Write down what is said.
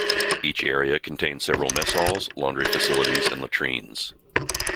Each area contained several mess halls, laundry facilities and latrines.